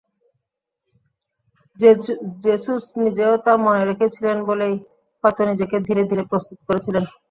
Jesus নিজেও তা মনে রেখেছিলেন বলেই হয়তো নিজেকে ধীরে ধীরে প্রস্তুত করেছেন।